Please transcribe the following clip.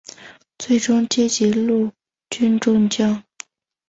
最终阶级陆军中将。